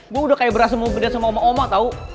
gue udah kayak berasa mau gede sama omak omak tau